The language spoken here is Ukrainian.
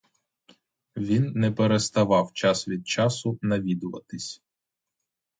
Він не переставав час від часу навідуватись.